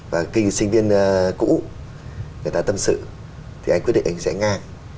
và cái sinh viên cũ người ta tâm sự thì anh ấy quyết định anh ấy sẽ ngang